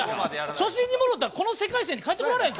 初心に戻ったら、この世界、帰ってこられへんぞ。